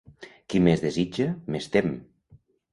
Qui més desitja, més tem.